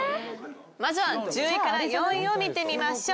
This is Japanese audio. まずは１０位から４位を見てみましょう。